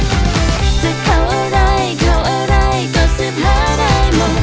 จะเข้าอะไรเขาอะไรก็สุดท้ายได้หมด